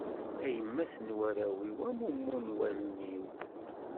A yemma-s n warraw-iw, a mumu n wallen-iw.